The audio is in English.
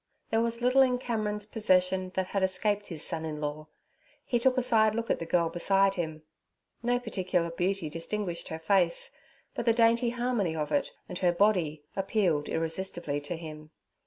There was little in Cameron's possession that had escaped his son in law. He took a side look at the girl beside him. No particular beauty distinguished her face, but the dainty harmony of it and her body, appealed irresistibly to him.